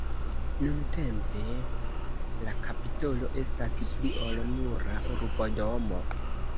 Nuntempe, la Kapitolo estas pli ol nura urbodomo.